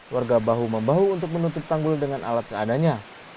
warga bahu membahu untuk menutup tanggul dengan alat seadanya